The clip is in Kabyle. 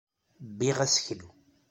Bbiɣ aseklu.